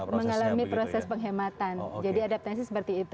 mengalami proses penghematan jadi adaptasi seperti itu